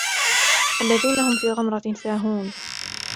الذين هم في غمرة ساهون